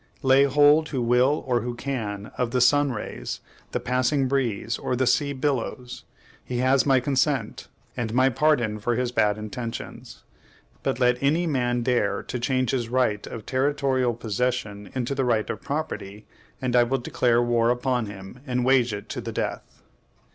Lay hold who will, or who can, of the sun's rays, the passing breeze, or the sea's billows; he has my consent, and my pardon for his bad intentions. But let any living man dare to change his right of territorial possession into the right of property, and I will declare war upon him, and wage it to the death!